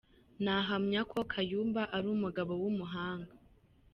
Nahamya ko Kayumba ari umugabo w’umuhanga.